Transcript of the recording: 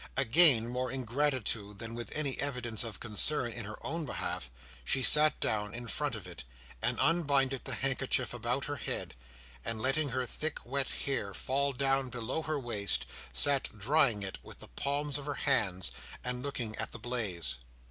Again, more in gratitude than with any evidence of concern in her own behalf, she sat down in front of it, and unbinding the handkerchief about her head, and letting her thick wet hair fall down below her waist, sat drying it with the palms of her hands, and looking at the blaze.